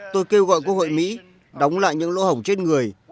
tôi kêu gọi quốc hội mỹ đóng lại những lỗ hồng trên người